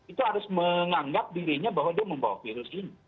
itu harus menganggap dirinya bahwa dia membawa virus ini